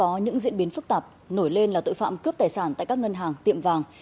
do những diễn biến phức tạp nổi lên là tội phạm cướp tài sản tại các ngân hàng tiệm vàng